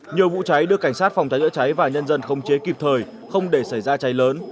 nhiều vụ cháy được cảnh sát phòng cháy chữa cháy và nhân dân không chế kịp thời không để xảy ra cháy lớn